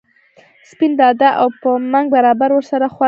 سپین دادا او په منګ برابر ور سره خوا کې کېناست.